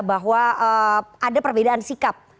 bahwa ada perbedaan sikap